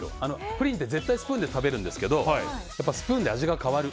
プリンって絶対スプーンで食べるんですけどスプーンで味が変わる。